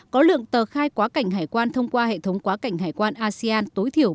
có lượng tờ khai quá cảnh hải quan thông qua hệ thống quá cảnh hải quan asean tối thiểu